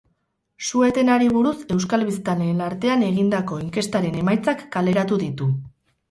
Su-etenari buruz euskal biztanleen artean egindako inkestaren emaitzak kaleratu ditu.